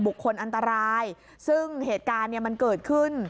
อันตรายซึ่งเหตุการณ์เนี่ยมันเกิดขึ้น